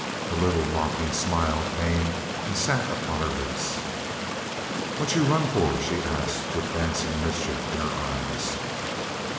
A little mocking smile came and sat upon her lips. "What you run for?" she asked, with dancing mischief in her eyes.